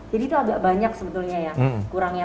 jadi itu agak banyak sebetulnya ya kurangnya